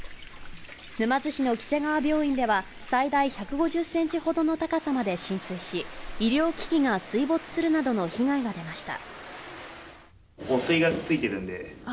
沼津市のきせがわ病院では最大１５０ｃｍほどの高さまで浸水し、医療機器が水没するなどの被害が出ました。